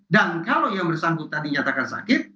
dan kalau yang bersangkutan dinyatakan sakit